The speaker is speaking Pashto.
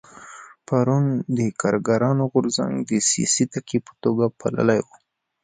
پېرون د کارګرانو غورځنګ د سیاسي تکیې په توګه پاللی و.